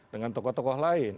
dengan tokoh tokoh lain